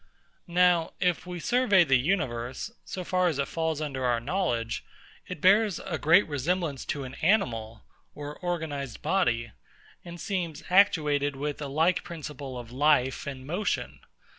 Now, if we survey the universe, so far as it falls under our knowledge, it bears a great resemblance to an animal or organised body, and seems actuated with a like principle of life and motion.